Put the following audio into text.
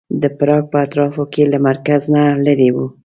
د پراګ په اطرافو کې له مرکز نه لرې و.